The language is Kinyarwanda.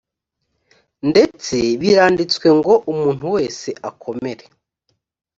ndetse biranditswe ngo umuntu wese akomere